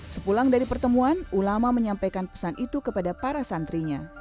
sepulang dari pertemuan ulama menyampaikan pesan itu kepada para santrinya